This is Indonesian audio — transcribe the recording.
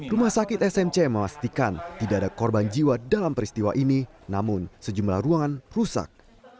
rumah sakit smc memastikan tidak ada korban jiwa dalam peristiwa ini namun sejumlah ruangan rusak